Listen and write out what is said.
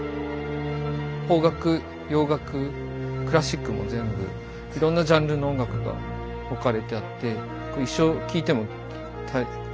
邦楽洋楽クラッシックも全部いろんなジャンルの音楽が置かれてあって。